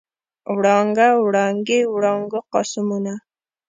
وړانګه، وړانګې، وړانګو، قاموسونه.